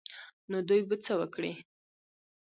نو دوى به څه وکړي.